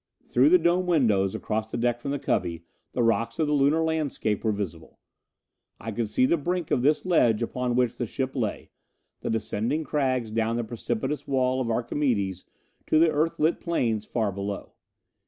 Through the dome windows across the deck from the cubby the rocks of the Lunar landscape were visible. I could see the brink of this ledge upon which the ship lay, the descending crags down the precipitous wall of Archimedes to the Earthlit plains far below.